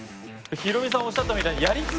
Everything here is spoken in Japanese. ヒロミさんおっしゃったみたいに。